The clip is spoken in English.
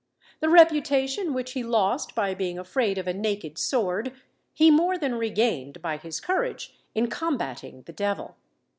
The reputation which he lost by being afraid of a naked sword, he more than regained by his courage in combating the devil.